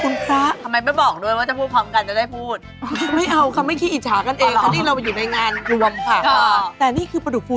ลาบส้มโอประดุกฟู